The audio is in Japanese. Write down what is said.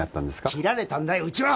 切られたんだようちは！